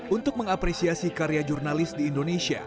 untuk mengapresiasi karya jurnalis di indonesia